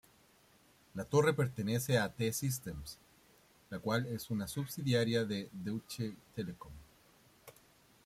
La torre pertenece a T-Systems, la cual es una subsidiaria de Deutsche Telekom.